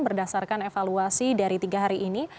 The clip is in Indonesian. berdasarkan evaluasi dari tiga hari ini